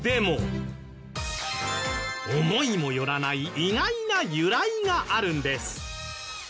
思いも寄らない意外な由来があるんです